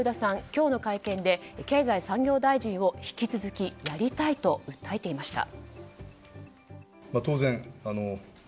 今日の会見で経済産業大臣を引き続きやりたいと訴えていました。